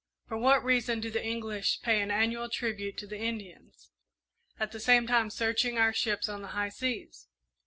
For what reason do the English pay an annual tribute to the Indians, at the same time searching our ships on the high seas?